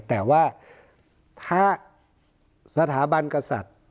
แต่ว่าถ้าสถาบันกษัตริย์